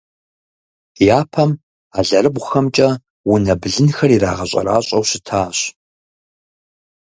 Япэм алэрыбгъухэмкӏэ унэ блынхэр ирагъэщӏэращӏэу щытащ.